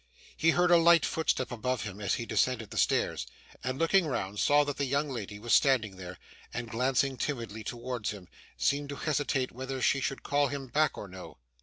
He heard a light footstep above him as he descended the stairs, and looking round saw that the young lady was standing there, and glancing timidly towards him, seemed to hesitate whether she should call him back or no.